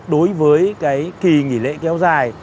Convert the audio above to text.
đối với cái kỳ nghỉ lễ kéo dài